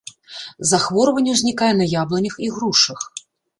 Захворванне ўзнікае на яблынях і грушах.